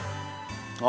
あ